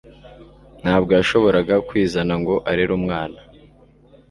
Ntabwo yashoboraga kwizana ngo arere umwana.